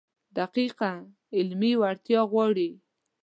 دقیقه علمي وړتیا غواړي.